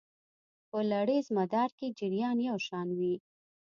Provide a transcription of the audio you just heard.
په لړیز مدار کې جریان یو شان وي.